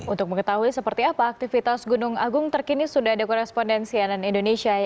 untuk mengetahui seperti apa aktivitas gunung agung terkini sudah dikorespondensi dengan indonesia